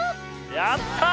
やった！